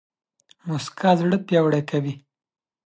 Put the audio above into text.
موسکا زړه پياوړی کوي